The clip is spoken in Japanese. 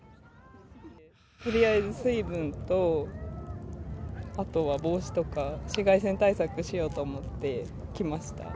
とりあえず水分と、あとは帽子とか、紫外線対策しようと思って来ました。